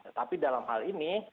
tetapi dalam hal ini